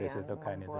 nah badai sitokin itu